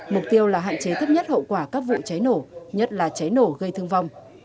mục tiêu là hạn chế thấp nhất hậu quả các vụ cháy nổ nhất là cháy nổ gây thương vong